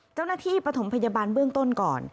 เจ้าหน้าที่ปฐมพยาบาลเบื้องต้นก่อน